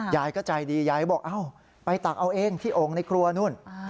ยายก็ใจดียายก็บอกเอ้าไปตักเอาเองที่โอ่งในครัวนู่น